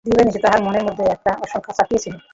দিবানিশি তাহার মনের মধ্যে একটা আশঙ্কা চাপিয়া ছিল।